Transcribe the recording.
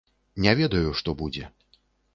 Не ведаю, што будзе.